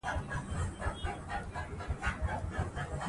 هنر د ژوند د پیچلتیاوو، ستونزو او خوښیو ښکلا څرګندوي.